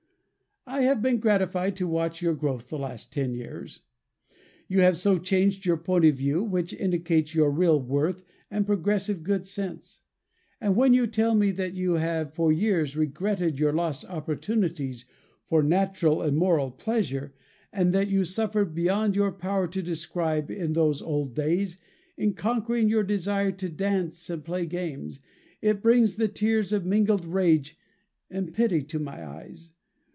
I have been gratified to watch your growth the last ten years. You have so changed your point of view, which indicates your real worth and progressive good sense. And when you tell me that you have for years regretted your lost opportunities for natural and moral pleasure, and that you suffered beyond your power to describe in those old days in conquering your desire to dance and play games, it brings the tears of mingled rage and pity to my eyes.